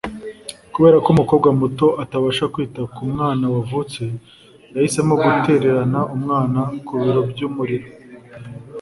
Kubera ko umukobwa muto atabashaga kwita ku mwana wavutse, yahisemo gutererana umwana ku biro by'umuriro